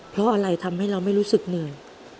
เพราะอะไรทำให้เราไม่รู้สึกเหนื่อย